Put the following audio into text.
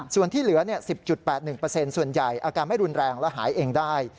ส่วนที่เหลือ๑๐๘๑ส่วนใหญ่อาการไม่รุนแรงและหายเองได้